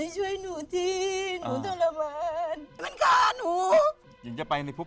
ช่วยหนูทิ้งหนูตระบันมันการหนู